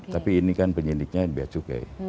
tapi ini kan penyelidiknya beacuk ya